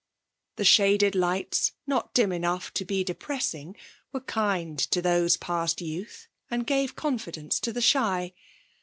The shaded lights, not dim enough to be depressing, were kind to those past youth and gave confidence to the shy.